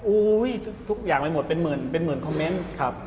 ทุกอย่างไปหมดเป็นหมื่นเป็นหมื่นคอมเมนต์